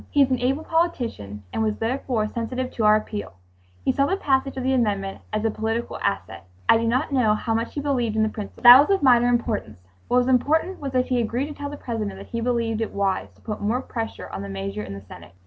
He is an able politician and was therefore sensitive to our appeal; he saw the passage of the amendment as a political asset. I do not know how much he believed in the principle. That was of minor importance. What was important was that he agreed to tell the President that he believed it wise to put more pressure on the measure in the Senate.